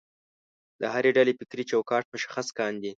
د هرې ډلې فکري چوکاټ مشخص کاندي.